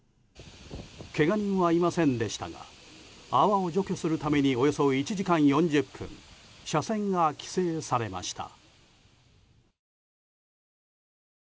けが人はいませんでしたが泡を除去するためにおよそ１時間４０分車線が規制されました。